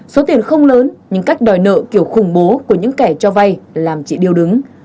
số tiền không lớn nhưng cách đòi nợ kiểu khủng bố của những kẻ cho vay làm chị điêu đứng